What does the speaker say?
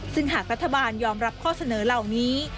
ซึ่งหากรัฐบาลยอมรับข้อเสนอเหล่านี้